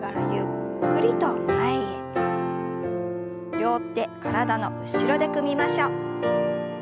両手体の後ろで組みましょう。